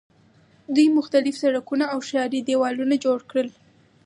دوی مختلف سړکونه او ښاري دیوالونه جوړ کړل.